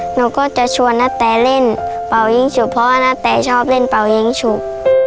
หนูก็จะชวนน้ะแทเล่นป่าวเง้างฉุกเพราะว่านะแทชอบเล่นป่าวเง้างฉุก